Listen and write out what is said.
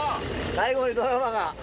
最後にドラマが。